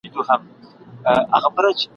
دا په وينو کي غوريږي ..